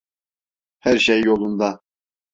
Her sey yolunda.